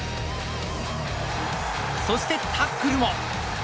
そして、タックルも。